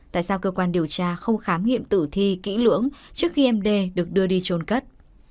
tại sao cơ quan điều tra không khám nghiệm tử thi kỹ lưỡng trước khi em đê được đưa đi trôn cất